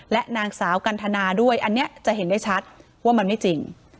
และนางสาวกันทนาด้วยอันนี้จะเห็นได้ชัดว่ามันไม่จริง